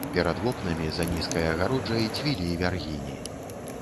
Перад вокнамі, за нізкай агароджай, цвілі вяргіні.